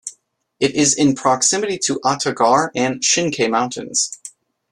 It is in proximity to Ata Ghar and Shinkay mountains.